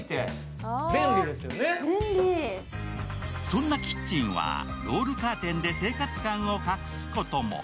そんなキッチンはロールカーテンで生活感を隠すことも。